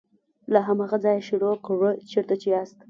له هماغه ځایه یې شروع کړه چیرته چې یاست.